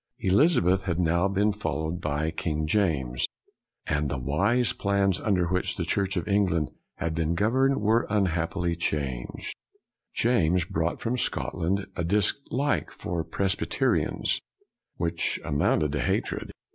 Elizabeth had now been followed by King James, and the wise plans under which the Church of England had been governed were unhappily changed. James 196 BREWSTER brought from Scotland a dislike for Pres byterians which amounted to hatred.